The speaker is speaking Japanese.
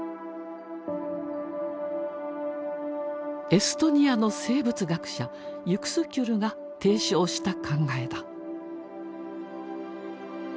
エストニアの生物学者ユクスキュルが提唱した考えだ。